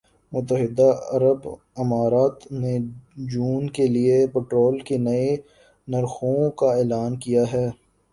متحدہ عرب امارات نے جون کے لیے پٹرول کے نئے نرخوں کا اعلان کیا ہے